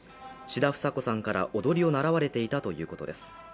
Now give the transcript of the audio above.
志田房子さんから踊りを習われていたということです。